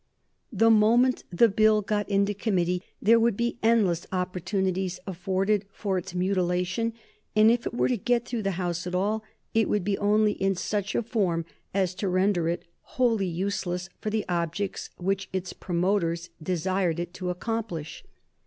The moment the Bill got into committee there would be endless opportunities afforded for its mutilation, and if it were to get through the House at all, it would be only in such a form as to render it wholly useless for the objects which its promoters desired it to accomplish.